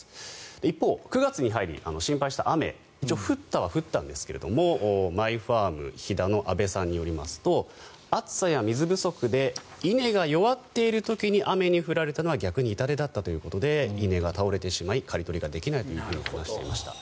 一方、９月に入り心配した雨一応降ったは降ったんですが米ファーム斐太の阿部さんによりますと暑さや水不足で稲が弱っている時に雨に降られたのは逆に痛手だったということで稲が倒れてしまい刈り取りができないと話していました。